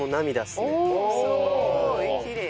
すごいきれい。